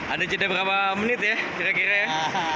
ada jeda berapa menit ya kira kira ya